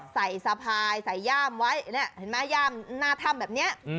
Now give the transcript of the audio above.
ใส่สะพายใส่ย่ามไว้ย่ามหน้าท่ำแบบนี้